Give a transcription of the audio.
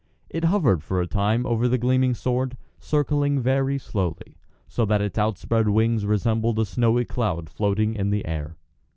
It hovered for a time over the gleaming sword, circling very slowly, so that its outspread wings resembled a snowy cloud floating in the air.